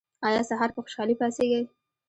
ایا سهار په خوشحالۍ پاڅیږئ؟